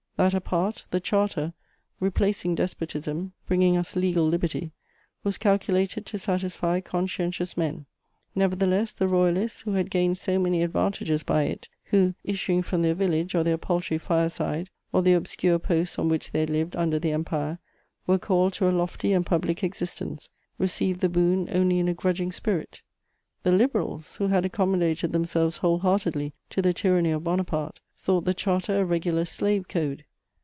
That apart, the Charter, replacing despotism, bringing us legal liberty, was calculated to satisfy conscientious men. Nevertheless, the Royalists, who gained so many advantages by it, who, issuing from their village, or their paltry fireside, or the obscure posts on which they had lived under the Empire, were called to a lofty and public existence, received the boon only in a grudging spirit; the Liberals, who had accommodated themselves whole heartedly to the tyranny of Bonaparte, thought the Charter a regular slave code.